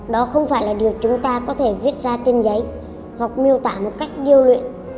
đó không phải là điều chúng ta có thể viết ra trên giấy hoặc miêu tả một cách điêu luyện